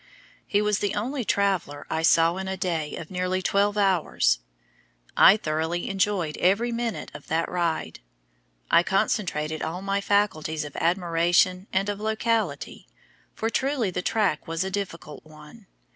He was the only traveler I saw in a day of nearly twelve hours. I thoroughly enjoyed every minute of that ride. I concentrated all my faculties of admiration and of locality, for truly the track was a difficult one.